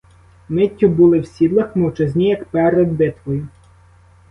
Миттю були в сідлах, мовчазні, як перед битвою.